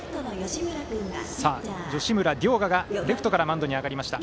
吉村凌河がレフトからマウンドに上がりました。